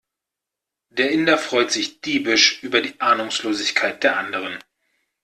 Der Inder freut sich diebisch über die Ahnungslosigkeit der anderen.